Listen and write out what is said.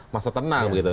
masa tenang begitu